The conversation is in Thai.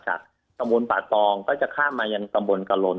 ตำบลป่าตองก็จะข้ามมายังตำบลกะลน